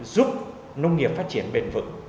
giúp nông nghiệp phát triển bền vững